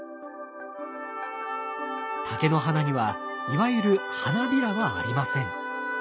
竹の花にはいわゆる花びらはありません。